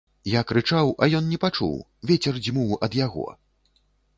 Я крычаў, а ён не пачуў, вецер дзьмуў ад яго.